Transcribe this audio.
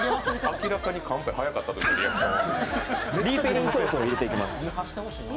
明らかにカンペ早かったときのリアクション。